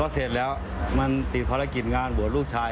เสร็จแล้วมันติดภารกิจงานบวชลูกชาย